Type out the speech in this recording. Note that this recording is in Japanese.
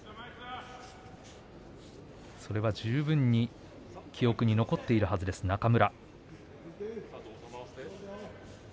それは十分に記憶に残っているはずです中村。